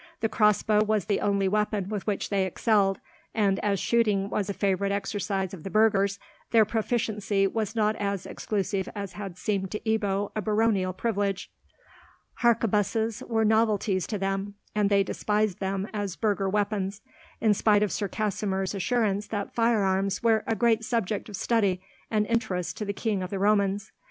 The crossbow was the only weapon with which they excelled; and, as shooting was a favourite exercise of the burghers, their proficiency was not as exclusive as had seemed to Ebbo a baronial privilege. Harquebuses were novelties to them, and they despised them as burgher weapons, in spite of Sir Kasimir's assurance that firearms were a great subject of study and interest to the King of the Romans.